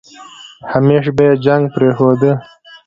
همېش به يې جنګ پرېښوده.